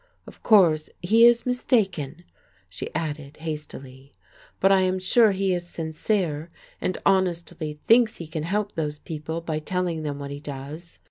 Of course he is mistaken," she added hastily, "but I am sure he is sincere, and honestly thinks he can help those people by telling them what he does."